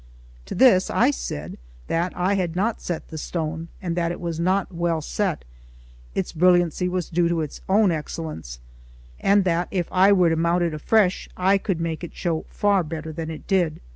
To this I said that I had not set the stone, and that it was not well set; its brilliancy was due to its own excellence; and that if I were to mount it afresh, I could make it show far better than it did.